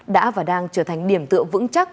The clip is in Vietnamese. đã và đang trở thành điểm tựa vững chắc